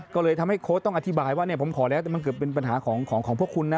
ก็เลยทำให้โค้ดต้องอธิบายว่าผมขอแล้วแต่มันเกิดเป็นปัญหาของพวกคุณนะ